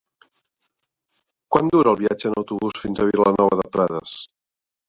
Quant dura el viatge en autobús fins a Vilanova de Prades?